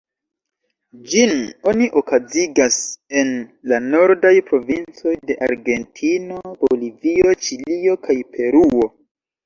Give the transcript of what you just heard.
Ĝin oni okazigas en la nordaj provincoj de Argentino, Bolivio, Ĉilio kaj Peruo.